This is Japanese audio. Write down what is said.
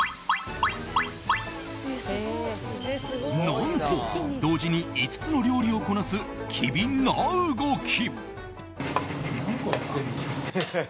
何と同時に５つの料理をこなす機敏な動き。